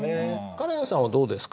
カレンさんはどうですか？